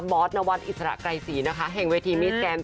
บอสนวรอิสระไกรศรีแห่งเวทีมิสแกรนด์